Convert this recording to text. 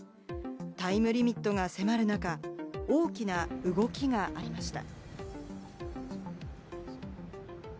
タイムリミットが迫る中、大きな動きがありました。